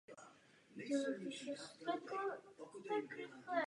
Strýc se zastřelí a Jeník velmi trpí.